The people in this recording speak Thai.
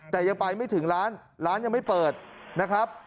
แต่ยังไปไม่ถึงร้านร้านยังไม่เปิดนะครับ